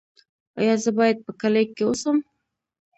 ایا زه باید په کلي کې اوسم؟